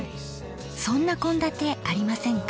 そんな献立ありませんか？